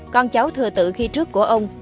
con cháu thừa tử khi trước của ông